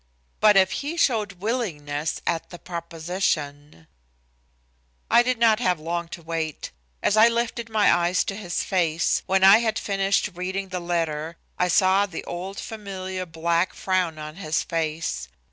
But if he showed willingness at the proposition I did not have long to wait. As I lifted my eyes to his face, when I had finished reading the letter I saw the old familiar black frown on his face.